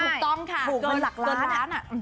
ถูกต้องค่ะถูกเงินหลักล้าน